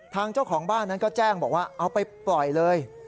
เจ้าของบ้านนั้นก็แจ้งบอกว่าเอาไปปล่อยเลย